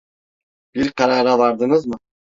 Bir karara vardınız mı?